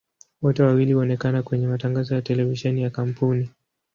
Wote wawili huonekana kwenye matangazo ya televisheni ya kampuni.